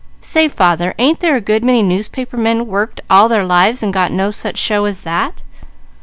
Say father, ain't there a good many newspaper men worked all their lives, and got no such show as that?"